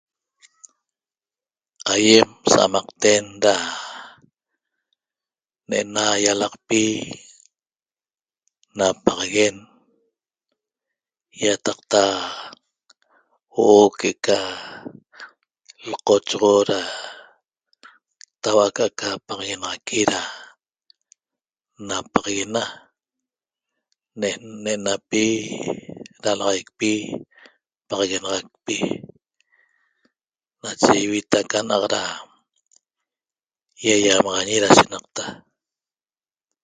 Aýem sa'amaqten ra ne'ena ýalaqpi napaxaguen ýataqta huo'o que'eca lqochoxo ra tau'a aca'aca paxaguenaxaqui ra napaxaguena ne'enapi ralaxaicpi paxaguenaxacpi nache ivita ca na'a'q ýaýamaxañi ra shenaqta